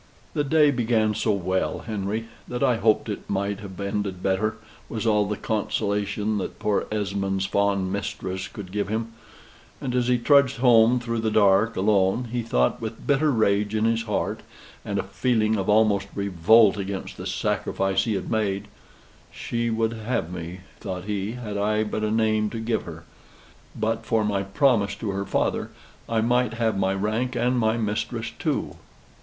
"The day began so well, Henry, that I hoped it might have ended better," was all the consolation that poor Esmond's fond mistress could give him; and as he trudged home through the dark alone, he thought with bitter rage in his heart, and a feeling of almost revolt against the sacrifice he had made: "She would have me," thought he, "had I but a name to give her. But for my promise to her father, I might have my rank and my mistress too."